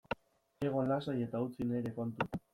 Egon lasai eta utzi nire kontu.